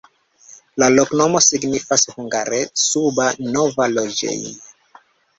La loknomo signifas hungare: suba-nova-loĝej'.